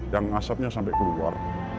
yang asapnya sampai keluar